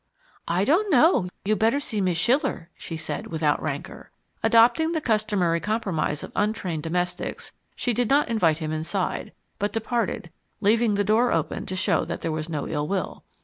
"I don't know, you'd better see Miz' Schiller," she said, without rancour. Adopting the customary compromise of untrained domestics, she did not invite him inside, but departed, leaving the door open to show that there was no ill will.